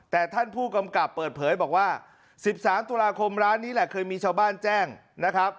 แต่ท่านผู้กำกับเปิดเผยบอกว่า๑๓ตุลาคมร้านนี้แหละเคยมีชาวบ้านแจ้งนะครับ